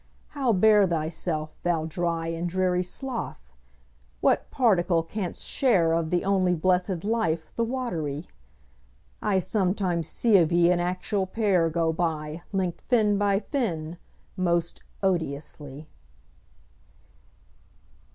How bear thyself, thou dry And dreary sloth? What particle canst share Of the only blessed life, the watery? I sometimes see of ye an actual pair Go by! linked fin by fin! most odiously.